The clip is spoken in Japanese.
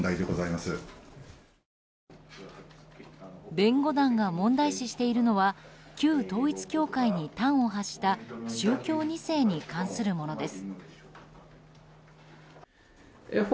弁護団が問題視しているのは旧統一教会に端を発した宗教２世に関するものです。